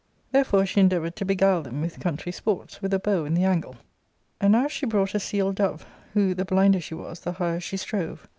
Therefore she endeavoured to beguile them with country sports, with the bow and the angle, and now she 78 ARCADIA,— Book L brought a seeled"* dove, who, the blinder she was, the higher she strove.